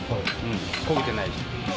焦げてないし。